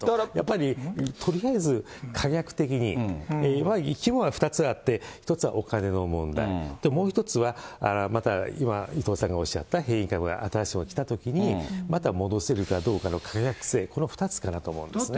やっぱりとりあえず、可逆性、基本は２つあって、一つはお金の問題、もう１つはまた、今、伊藤さんがおっしゃった、変異株が新しいものが来たときに、また戻せるかどうかの科学性、この２つかなと思うんですね。